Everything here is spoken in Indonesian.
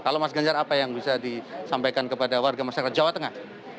kalau mas ganjar apa yang bisa disampaikan kepada warga masyarakat jawa tengah